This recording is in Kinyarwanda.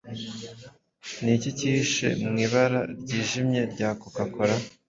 Niki kihishe mu ibara ryijimye rya Coca cola